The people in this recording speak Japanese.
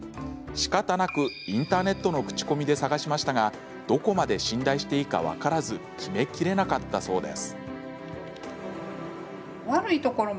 しかたなくインターネットの口コミで探しましたがどこまで信頼していいか分からず決めきれなかったそうです。